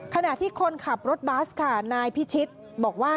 ขณะที่คนขับรถบัสค่ะนายพิชิตบอกว่า